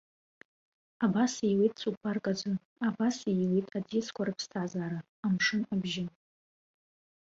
Абас ииуеит цәыкәбарк аӡы, абас ииуеит аӡиасқәа рыԥсҭазаара, амшын абжьы.